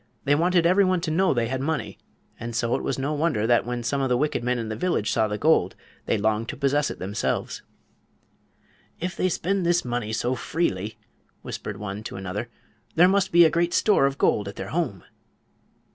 They wanted everyone to know they had money, and so it was no wonder that when some of the wicked men in the village saw the gold they longed to possess it themselves. "If they spend this money so freely," whispered one to another, "there must be a great store of gold at their home."